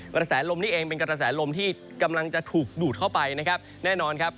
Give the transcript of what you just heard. กระแสลมนี้เองเป็นกระแสลมที่กำลังจะถูกดูดเข้าไปนะครับแน่นอนครับ